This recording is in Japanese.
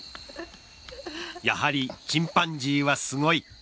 やはりチンパンジーはすごい。